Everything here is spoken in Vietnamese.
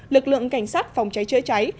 lực lượng cảnh sát phòng cháy chữa cháy